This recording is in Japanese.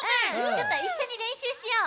ちょっといっしょにれんしゅうしよう。